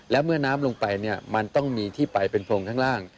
และเมื่อน้ำลงไปเนี่ยมันต้องมีที่ไปเป็นโพรงข้างล่าง